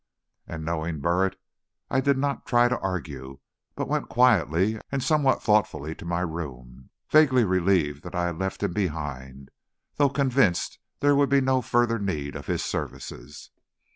And knowing Burritt, I did not try to argue, but went quietly and somewhat thoughtfully to my room, vaguely relieved that I left him behind, though convinced there would be no further need of his services.